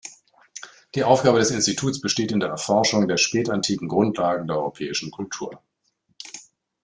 Die Aufgabe des Instituts besteht in der Erforschung der spätantiken Grundlagen der europäischen Kultur.